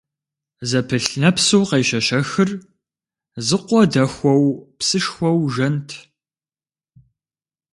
Зэпылъ нэпсу къещэщэхыр зы къуэ дэхуэу псышхуэу жэнт.